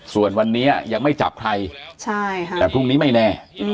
ส่วนวันนี้ยังไม่จับใครแต่พรุ่งนี้ไม่แน่